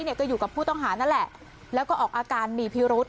ก็อยู่กับผู้ต้องหานั่นแหละแล้วก็ออกอาการมีพิรุษ